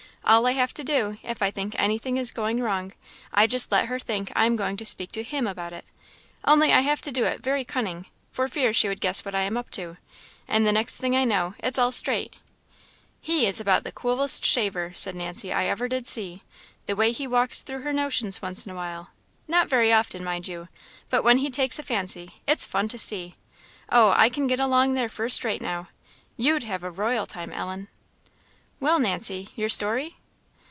All I have to do, if I think anything is going wrong, I just let her think I am going to speak to him about it; only I have to do it very cunning, for fear she would guess what I am up to; and the next thing I know, it's all straight. He is about the coolest shaver," said Nancy, "I ever did see. The way he walks through her notions once in a while not very often, mind you, but when he takes a fancy it's fun to see! O, I can get along there first rate, now. You'd have a royal time, Ellen." "Well, Nancy your story?"